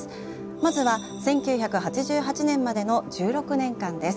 まずは１９８８年までの１６年間です。